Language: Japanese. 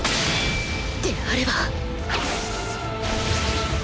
であれば